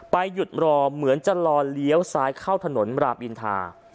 หยุดรอเหมือนจะรอเลี้ยวซ้ายเข้าถนนรามอินทา